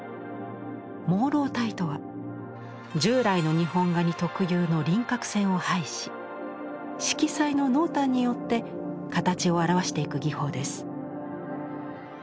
朦朧体とは従来の日本画に特有の輪郭線を排し色彩の濃淡によって形を表していく技法です。